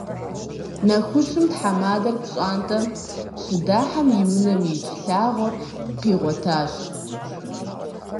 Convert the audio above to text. Нэхущым тхьэмадэр пщӀантӀэм щыдыхьэм, и унэм икӀ лъагъуэр къигъуэтащ.